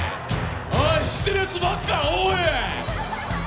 知ってるやつばっか、おい。